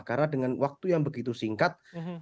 karena dengan waktu yang begitu singkat